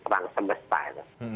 perang semesta itu